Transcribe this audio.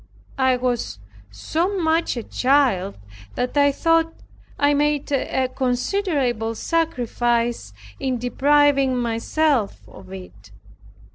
I was so much a child, that I thought I made a considerable sacrifice in depriving myself of it.